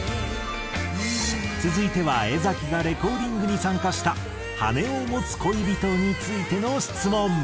続いては江がレコーディングに参加した『羽を持つ恋人』についての質問。